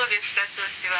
調子は。